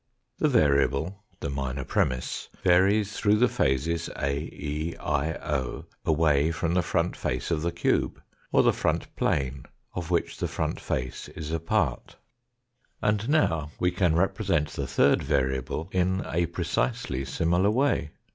The variable the minor premiss varies through the phases A, E, I, O, away from the front face of the cube, or the front plane of which the front face is a part. THE USE Of FOtJR DIMENSIONS IN fHOUGHT S3 And now we can represent the third variable in a precisely similar way.